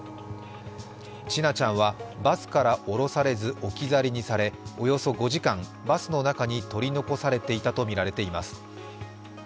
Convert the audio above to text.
千奈ちゃんはバスから降ろされず置き去りにされおよそ５時間、バスの中に取り残されていたとみられます。